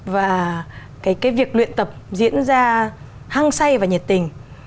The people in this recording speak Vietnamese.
và cái việc luyện tập diễn ra hăng say và nhiệt tình